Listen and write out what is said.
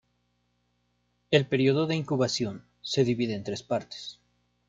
El período de incubación se divide en tres partes.